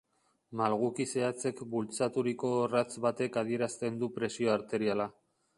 Malguki zehatzek bultzaturiko orratz batek adierazten du presio arteriala.